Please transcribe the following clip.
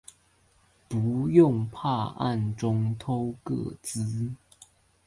不用怕暗中偷個資